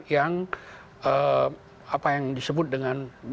yang disebut dengan